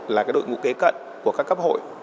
là đội ngũ kế cận của các cấp hội